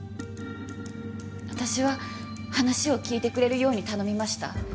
私は話を聞いてくれるように頼みました。